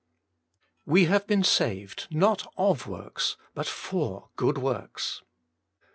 WE have been saved, not of works, but for good works.